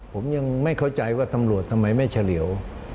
ผมยังไม่เข้าใจว่าตำรวจทำไมไม่เฉลี่ยว